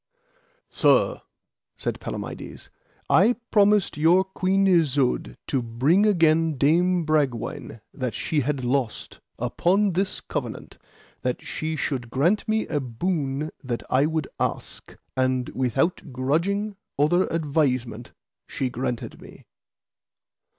Sir, said Palamides, I promised your Queen Isoud to bring again Dame Bragwaine that she had lost, upon this covenant, that she should grant me a boon that I would ask, and without grudging, outher advisement, she granted me.